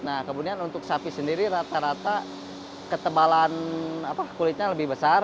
nah kemudian untuk sapi sendiri rata rata ketebalan kulitnya lebih besar